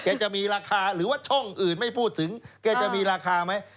จะมีราคาหรือว่าช่องอื่นไม่พูดถึงแกจะมีราคาไหม